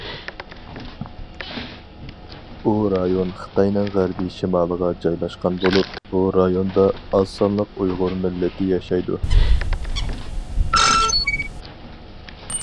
ئۇ رايون خىتاينىڭ غەربى شىمالىغا جايلاشقان بولۇپ، ئۇ رايوندا ئازسانلىق ئۇيغۇر مىللىتى ياشايدۇ .